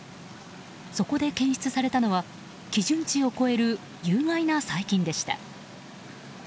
そこで検出されたのは基準値を超える有害な細菌でした。